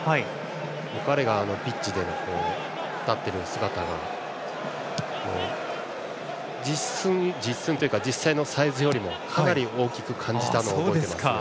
彼がピッチに立っている姿が実際のサイズよりもかなり大きく感じたのを覚えています。